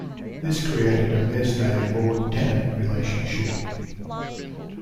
This created a mesne lord - tenant relationship.